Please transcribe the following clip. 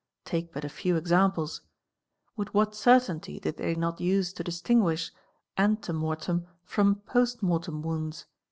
Take but a few examples. With whe certainty did they not use to distinguish ante mortem from post mortem wounds?